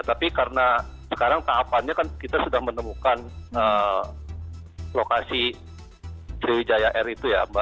tapi karena sekarang tahapannya kan kita sudah menemukan lokasi sriwijaya air itu ya mbak